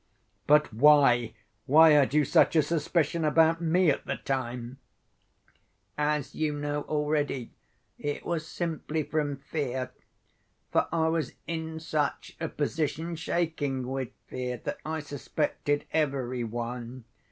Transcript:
"But why, why had you such a suspicion about me at the time?" "As you know already, it was simply from fear. For I was in such a position, shaking with fear, that I suspected every one.